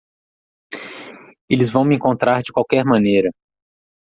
Eles vão me encontrar de qualquer maneira.